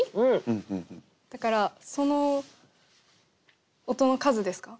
だからその音の数ですか？